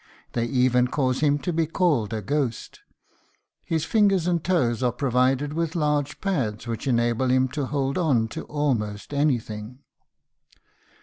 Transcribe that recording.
They even cause him to be called a ghost. His fingers and toes are provided with large pads, which enable him to hold on to almost anything.